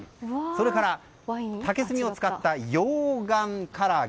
それから竹炭を使った溶岩唐揚げ。